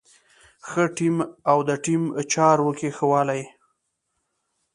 ښه ټيم او د ټيم چارو کې ښه والی.